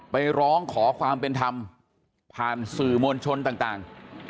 ไปร้องขอความเป็นธรรมผ่านสื่อมวลชนต่าง